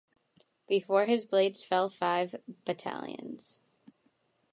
Before his blades fell five battalions.